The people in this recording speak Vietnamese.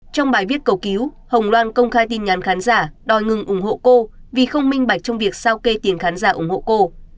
trong bài viết cầu cứu hồng loan công khai tin nhắn khán giả đòi ngừng ủng hộ cô vì không minh bạch trong việc sao kê tiền khán giả ủng hộ cô